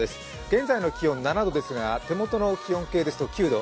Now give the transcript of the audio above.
現在の気温７度ですか手元の気温計ですと９度。